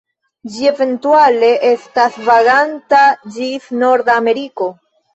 Ĝi eventuale estas vaganta ĝis Norda Ameriko.